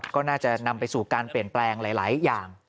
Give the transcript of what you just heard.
ก็น่าจะนำไปสู่การเปลี่ยนแปลงหลายอย่าง